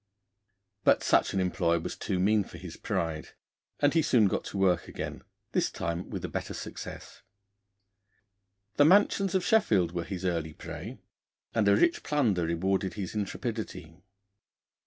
But such an employ was too mean for his pride, and he soon got to work again this time with a better success. The mansions of Sheffield were his early prey, and a rich plunder rewarded his intrepidity.